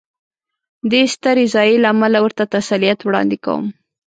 دې سترې ضایعې له امله ورته تسلیت وړاندې کوم.